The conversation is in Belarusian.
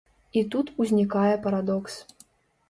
І тут узнікае парадокс.